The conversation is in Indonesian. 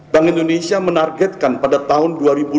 bank indonesia menargetkan pada tahun dua ribu dua puluh